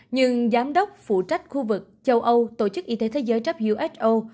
nhưng giám đốc phụ trách khu vực châu âu tổ chức y tế thế giới who